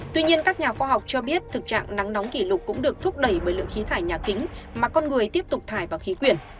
tuy nhiên các nhà khoa học cho biết thực trạng nắng nóng kỷ lục cũng được thúc đẩy bởi lượng khí thải nhà kính mà con người tiếp tục thải vào khí quyển